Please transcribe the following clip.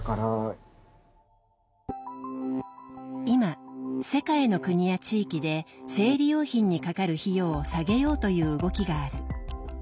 今世界の国や地域で生理用品にかかる費用を下げようという動きがある。